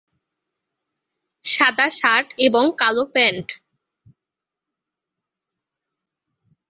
সাদা শার্ট এবং কালো প্যান্ট।